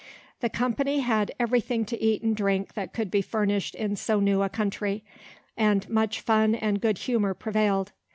The company had every thing to eat and drink that could be furnished in so new a country, and much fun and good humour prevailed.